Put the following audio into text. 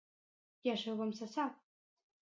I això com se sap?